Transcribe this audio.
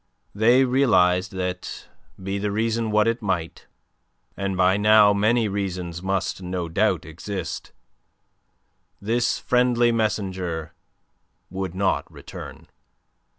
They realized that, be the reason what it might and by now many reasons must no doubt exist this friendly messenger would not return.